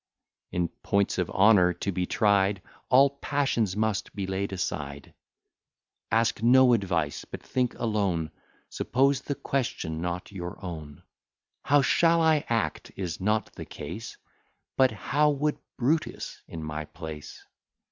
In points of honour to be tried, All passions must be laid aside: Ask no advice, but think alone; Suppose the question not your own. How shall I act, is not the case; But how would Brutus in my place?